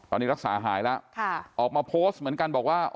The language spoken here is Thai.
ตอนนี้รักษาหายแล้วออกมาโพสต์เหมือนกันบอกว่า